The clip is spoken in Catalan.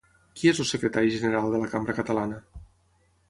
Qui és el secretari general de la cambra catalana?